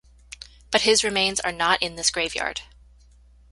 But his remains are not in this graveyard.